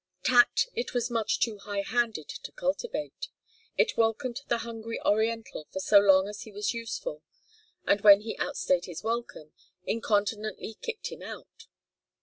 Tact it was much too high handed to cultivate. It welcomed the hungry Oriental for so long as he was useful, and when he outstayed his welcome, incontinently kicked him out.